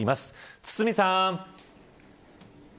堤さん。